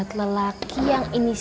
tidak ada yang bisa dikira